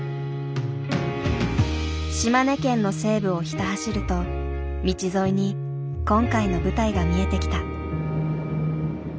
島根県の西部をひた走ると道沿いに今回の舞台が見えてきた。